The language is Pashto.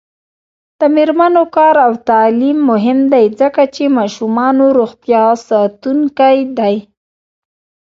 د میرمنو کار او تعلیم مهم دی ځکه چې ماشومانو روغتیا ساتونکی دی.